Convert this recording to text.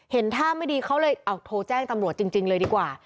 เห็นท่าไม่ดีเขาเลยเอาโทรแจ้งตำรวจจริงเลยดีกว่า